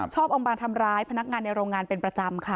ออกมาทำร้ายพนักงานในโรงงานเป็นประจำค่ะ